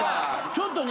ちょっとね